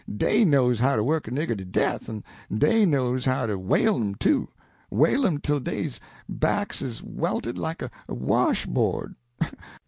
Dey knows how to work a nigger to death, en dey knows how to whale 'em, too whale 'em till dey backs is welted like a washboard.